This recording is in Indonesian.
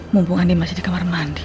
mumpung ani masih di kamar mandi